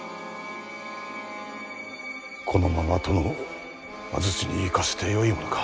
このまま殿を安土に行かせてよいものか。